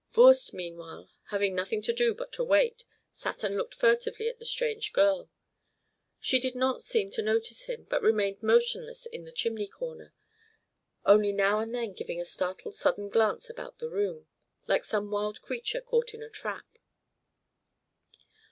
Voorst, meanwhile, having nothing to do but to wait, sat and looked furtively at the strange girl. She did not seem to notice him, but remained motionless in the chimney corner, only now and then giving a startled sudden glance about the room, like some wild creature caught in a trap.